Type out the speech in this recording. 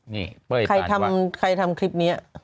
นี่เป้ยตาดว่าใครทำใครทำคลิปนี้